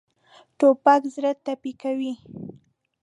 توپک زړه ټپي کوي.